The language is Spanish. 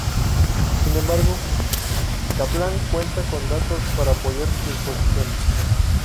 Sin embargo, Caplan cuenta con datos para apoyar sus posiciones.